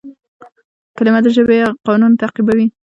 کلیمه د ژبي قانون تعقیبوي.